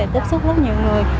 tiếp xúc rất nhiều người